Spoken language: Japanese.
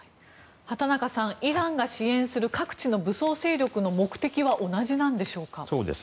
畑中さん、イランが支援する各地の武装勢力の目的は同じなんでしょうか？